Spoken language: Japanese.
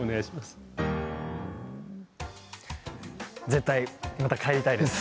絶対、また帰りたいです。